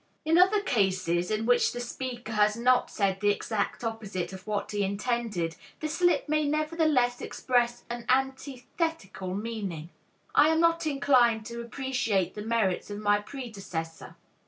In other cases in which the speaker has not said the exact opposite of what he intended, the slip may nevertheless express an antithetical meaning. "I am not inclined to appreciate the merits of my predecessor."